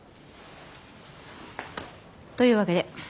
というわけで。